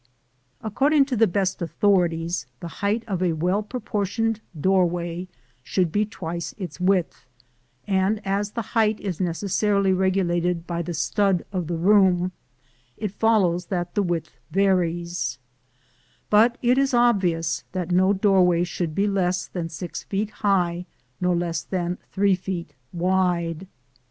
According to the best authorities, the height of a well proportioned doorway should be twice its width; and as the height is necessarily regulated by the stud of the room, it follows that the width varies; but it is obvious that no doorway should be less than six feet high nor less than three feet wide.